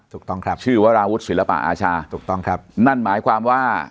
ถูกต้องครับชื่อวราวุฒิศิลปะอาชาถูกต้องครับนั่นหมายความว่า